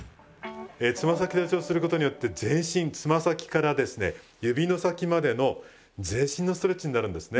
爪先立ちをすることによって全身爪先からですね指の先までの全身のストレッチになるんですね。